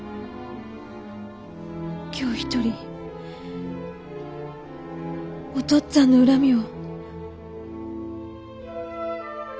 今日１人お父っつぁんの恨みを。